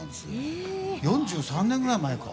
４３年ぐらい前か。